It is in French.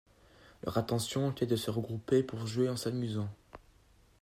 Leur intention était de se regrouper pour jouer en s'amusant.